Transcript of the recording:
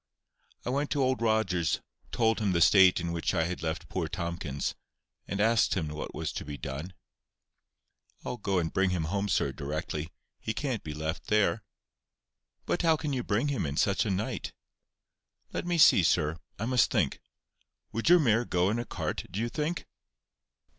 I went to Old Rogers, told him the state in which I had left poor Tomkins, and asked him what was to be done. "I'll go and bring him home, sir, directly. He can't be left there." "But how can you bring him in such a night?" "Let me see, sir. I must think. Would your mare go in a cart, do you think?"